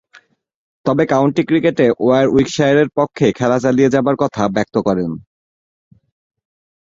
তবে কাউন্টি ক্রিকেটে ওয়ারউইকশায়ারের পক্ষে খেলা চালিয়ে যাবার কথা ব্যক্ত করেন।